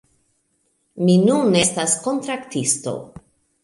Mi nun estas kontraktisto